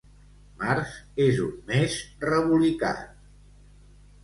Març és un mes rebolicat.